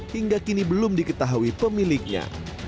hingga kini belum diketahui pemiliknya